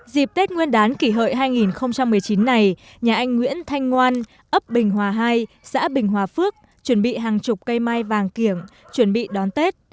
dịp tết nguyên đán kỷ hợi hai nghìn một mươi chín này nhà anh nguyễn thanh ngoan ấp bình hòa hai xã bình hòa phước chuẩn bị hàng chục cây mai vàng kiểng chuẩn bị đón tết